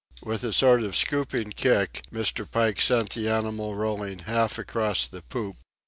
With a sort of scooping kick Mr. Pike sent the animal rolling half across the poop.